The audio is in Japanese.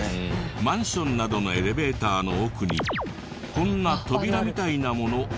マンションなどのエレベーターの奥にこんな扉みたいなもの見た事ありますよね？